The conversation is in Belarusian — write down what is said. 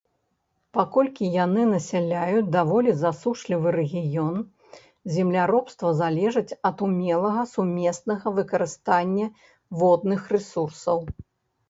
Паколькі яны насяляюць даволі засушлівы рэгіён, земляробства залежыць ад умелага сумеснага выкарыстання водных рэсурсаў.